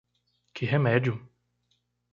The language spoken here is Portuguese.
Que remédio!